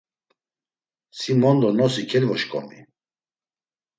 Si mondo nosi kelvoşǩomi.